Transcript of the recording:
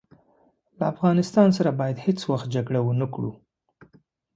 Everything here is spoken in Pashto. له افغانستان سره باید هیڅ وخت جګړه ونه کړو.